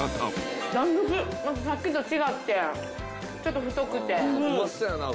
さっきと違ってちょっと。